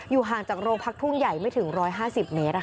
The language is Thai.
อยู่ห่างจากโรงพักทุ่งใหญ่ไม่ถึง๑๕๐เมตรอะค่ะ